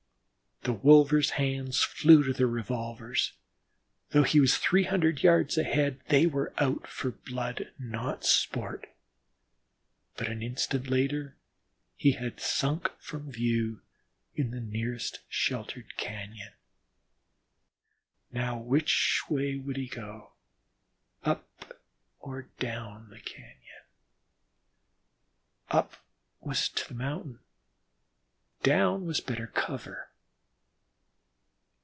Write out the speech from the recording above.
The wolvers' hands flew to their revolvers, though he was three hundred yards ahead; they were out for blood, not sport. But an instant later he had sunk from view in the nearest sheltered cañon. Now which way would he go, up or down the cañon? Up was toward his mountain, down was better cover.